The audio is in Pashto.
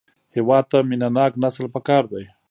هېواد ته مینهناک نسل پکار دی